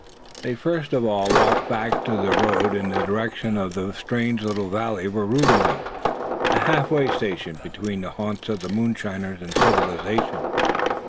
They first of all walked back along the road in the direction whence they had come to the strange valley where Reuben lived, a half way station between the secret haunts of the moonshiners, and civilization.